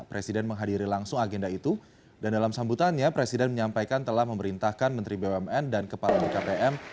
presiden menghadiri langsung agenda itu dan dalam sambutannya presiden menyampaikan telah memerintahkan menteri bumn dan kepala bkpm